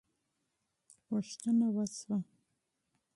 پوښتنه وسوه.